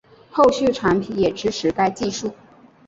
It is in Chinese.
后续产品也支持该技术